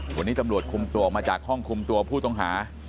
วันนี้ตำรวจคุมตัวออกมาจากห้องคุมตัวผู้ต้องหา